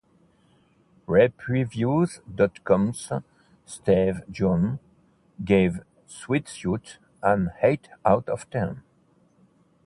RapReviews dot com's Steve Juon gave "Sweatsuit" an eight out of ten.